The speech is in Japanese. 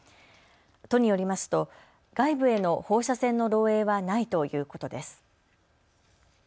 都によりますと外部への放射線の漏えいはないということです。